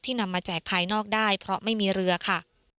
นำมาแจกภายนอกได้เพราะไม่มีเรือค่ะ